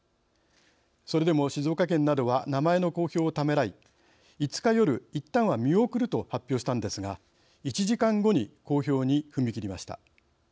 それでも静岡県などは名前の公表をためらい５日夜、いったんは見送ると発表したんですが１時間後に公表に踏み切りました。